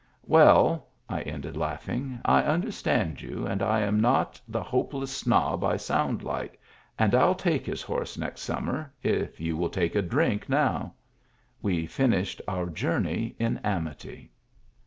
" Well," I ended, laughing, " I understand you, and am not the hopeless snob I sound like, and I'll take his horse next summer if you will take a drink now." We finished our journey in amity.